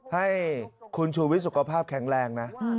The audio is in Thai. ให้คุณชูวิทย์สุขภาพแข็งแรงนะ